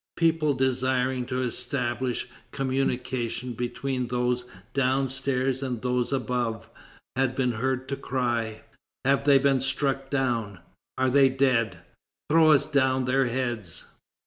People desiring to establish communication between those down stairs and those above, had been heard to cry: "Have they been struck down? Are they dead? Throw us down their heads!"